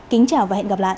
kính chào và hẹn gặp lại